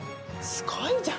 すごいじゃん！